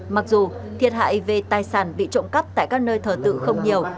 mặc dù thiệt hại về tài sản bị trộm cắp tại các nơi thờ tự không nhiều